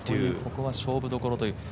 ここは勝負どころという。